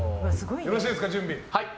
よろしいですか、準備。